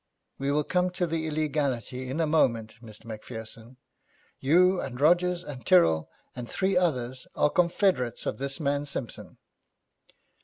'We will come to the illegality in a moment, Mr. Macpherson. You, and Rogers, and Tyrrel, and three others, are confederates of this man Simpson.'